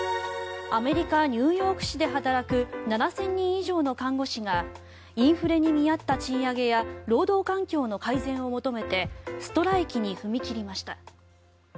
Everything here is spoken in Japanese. アメリカ・ニューヨーク市で働く７０００人以上の看護師がインフレに見合った賃上げや労働環境の改善を求めてストライキに踏み切りました。